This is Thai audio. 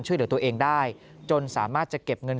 ช่วยเหลือตัวเองได้จนสามารถจะเก็บเงิน